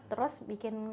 terus bikin deskripsi